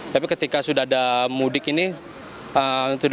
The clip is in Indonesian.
tapi ketika sudah disiapkan itu tidak ada